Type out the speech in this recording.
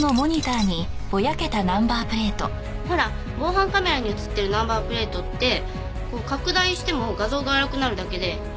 ほら防犯カメラに映ってるナンバープレートって拡大しても画像が粗くなるだけで読み取れませんよね。